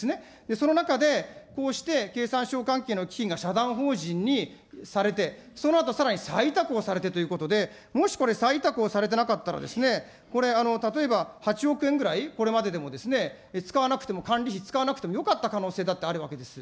その中でこうして経産省関係の基金が社団法人にされて、そのあとさらに再委託をされてということで、もしこれ、再委託をされていなかったらですね、これ、例えば８億円ぐらいこれまででも使わなくても管理費、使わなくてもよかった可能性だってあるわけです。